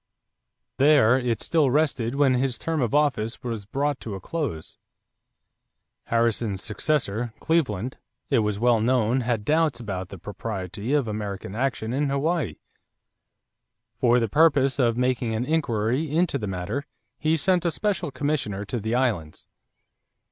There it still rested when his term of office was brought to a close. Harrison's successor, Cleveland, it was well known, had doubts about the propriety of American action in Hawaii. For the purpose of making an inquiry into the matter, he sent a special commissioner to the islands.